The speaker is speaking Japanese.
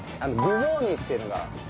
雑煮っていうのが。